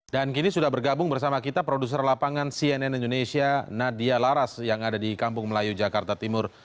dan kini sudah bergabung bersama kita produser lapangan cnn indonesia nadia laras yang ada di kampung melayu jakarta timur